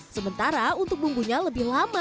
sementara untuk bumbunya lebih lama